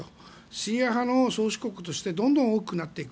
シーア派の宗主国としてどんどん大きくなっていく。